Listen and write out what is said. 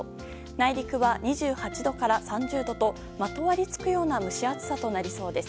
内陸は、２８度から３０度とまとわりつくような蒸し暑さとなりそうです。